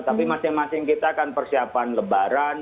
tapi masing masing kita kan persiapan lebaran